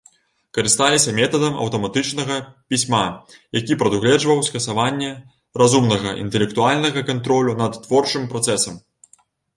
Карысталіся метадам аўтаматычнага пісьма, які прадугледжваў скасаванне разумнага, інтэлектуальнага кантролю над творчым працэсам.